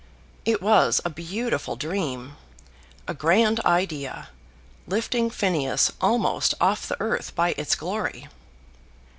It was a beautiful dream, a grand idea, lifting Phineas almost off the earth by its glory.